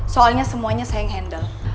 soalnya semuanya saya yang handle